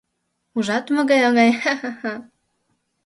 Ужат, могай оҥай, ха-ха-ха!